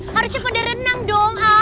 harusnya pada renang dong